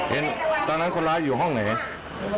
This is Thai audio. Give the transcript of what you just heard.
ตอนนั้นคนร้ายอยู่ห้องไหน